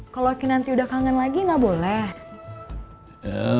kalau nanti udah kangen lagi gak boleh